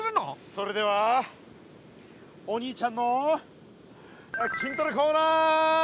それではお兄ちゃんの筋トレコーナー！